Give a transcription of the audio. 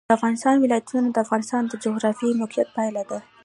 د افغانستان ولايتونه د افغانستان د جغرافیایي موقیعت پایله ده.